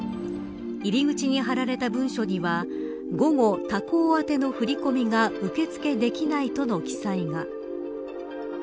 入り口に張られた文書には午後、他行宛ての振り込みが受け付けできないとの記載が。